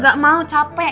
gak mau capek